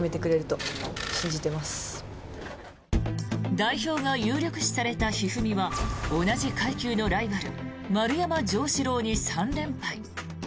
代表が有力視された一二三は同じ階級のライバル丸山城志郎に３連敗。